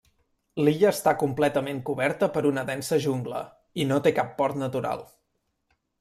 L'illa està completament coberta per una densa jungla, i no té cap port natural.